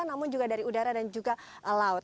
namun juga dari udara dan juga laut